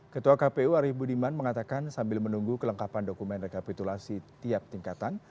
ketua kpu arief budiman mengatakan sambil menunggu kelengkapan dokumen rekapitulasi tiap tingkatan